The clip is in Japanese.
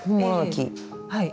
はい。